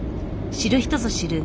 知る人ぞ知る